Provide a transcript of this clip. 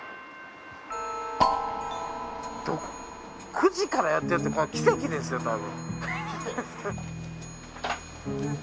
９時からやってるって奇跡ですよだいぶ。